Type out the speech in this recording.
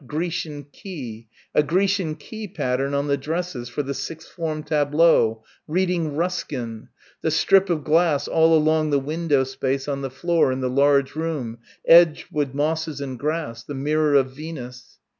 Grecian key ... a Grecian key pattern on the dresses for the sixth form tableau reading Ruskin ... the strip of glass all along the window space on the floor in the large room edged with mosses and grass the mirror of Venus....